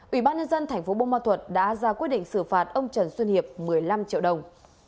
ủy ban nhân dân tp bông ma thuật đã ra quyết định xử phạt ông trần xuân hiệp một mươi năm triệu đồng